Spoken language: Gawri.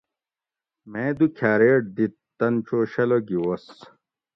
میں دو کھاریٹ دِت تن چو شلہ گی وس